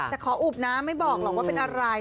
แต่ขออุบนะไม่บอกหรอกว่าเป็นอะไร